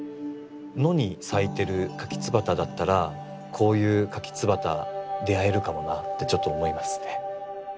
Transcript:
野に咲いてるかきつばただったらこういうかきつばた出会えるかもなってちょっと思いますね。